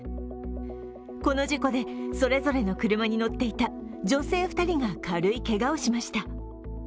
この事故で、それぞれの車に乗っていた女性２人が軽いけがをしました。